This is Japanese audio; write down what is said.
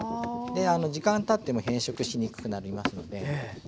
時間たっても変色しにくくなりますので。